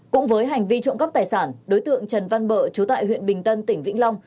cũng với hành vi trộm cắp tài sản đối tượng trần văn bợ trú tại huyện bình tân tỉnh vĩnh long